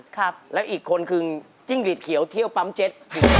ครับแล้วยิดคนคือจิ้งฤทธิ์เขียวที่เที่ยวปั๊มเฒ็ต